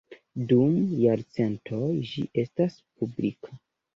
Dum jarcentoj ĝi estas publika.